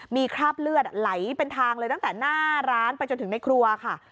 มีคราบเลือดไหลเป็นทางเลยตั้งแต่หน้าร้านไปจนถึงในครัวค่ะ